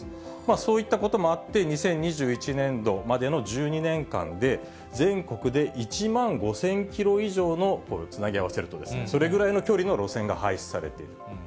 そういったこともあって、２０２１年度までの１２年間で、全国で１万５０００キロ以上のつなぎ合わせるとですね、それぐらいの距離の路線が廃止されている。